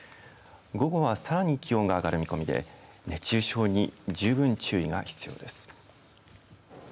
午後はさらに気温が上がる見込みで熱中症に十分注意が必要です。